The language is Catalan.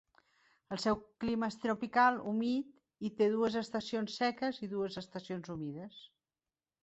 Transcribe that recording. El seu clima és tropical humit i té dues estacions seques i dues estacions humides.